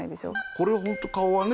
これホント顔はね